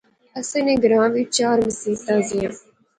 اساں نے گراں وچ چار مسیتاں زیاں